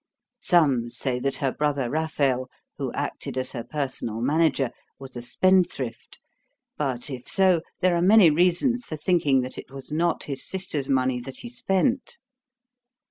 Some say that her brother Raphael, who acted as her personal manager, was a spendthrift; but if so, there are many reasons for thinking that it was not his sister's money that he spent.